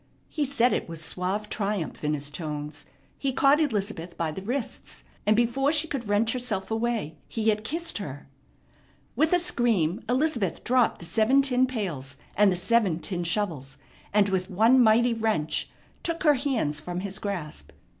He said it with suave triumph in his tones. He caught Elizabeth by the wrists, and before she could wrench herself away he had kissed her. With a scream Elizabeth dropped the seven tin pails and the seven tin shovels, and with one mighty wrench took her hands from his grasp.